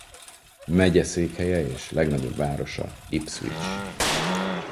Megyeszékhelye és legnagyobb városa Ipswich.